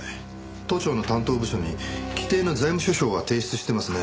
都庁の担当部署に規定の財務諸表は提出してますね。